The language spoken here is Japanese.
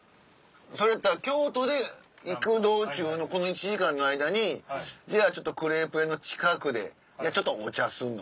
それやったら京都で行く道中のこの１時間の間にじゃあちょっとクレープ屋の近くでちょっとお茶すんのか。